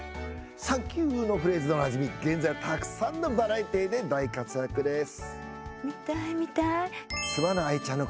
「サンキュー！」のフレーズでおなじみ現在はたくさんのバラエテーで大活躍です。